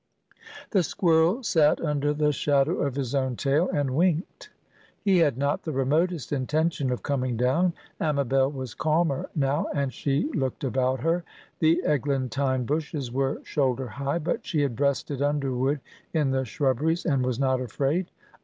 The squirrel sat under the shadow of his own tail, and winked. He had not the remotest intention of coming down. Amabel was calmer now, and she looked about her. The eglantine bushes were shoulder high, but she had breasted underwood in the shrubberies, and was not afraid.